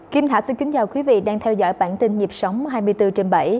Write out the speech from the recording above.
kim hạ xin kính chào quý vị đang theo dõi bản tin nhịp sống hai mươi bốn trên bảy